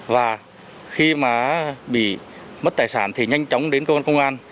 và khi mà bị mất tài sản thì nhanh chóng đến cơ quan công an